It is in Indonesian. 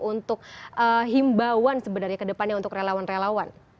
untuk himbauan sebenarnya kedepannya untuk relawan relawan